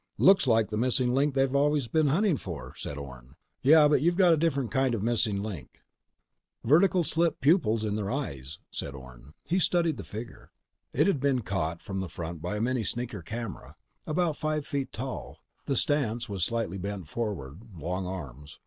"Looks like the missing link they're always hunting for," said Orne. "Yeah, but you've got a different kind of a missing link." "Vertical slit pupils in their eyes," said Orne. He studied the figure. It had been caught from the front by a mini sneaker camera. About five feet tall. The stance was slightly bent forward, long arms.